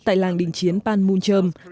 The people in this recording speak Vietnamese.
tại làng đình chiến ban mun trơm